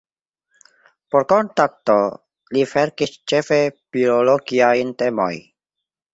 Por "Kontakto" li verkis ĉefe biologiajn temojn.